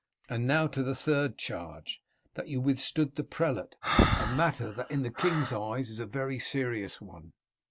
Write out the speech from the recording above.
And now to the third charge, that you withstood the prelate; a matter that, in the king's eyes, is a very serious one."